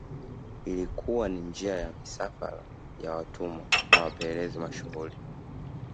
Ilikuwa ni njia ya misafara ya watumwa na wapelelezi mashuhuri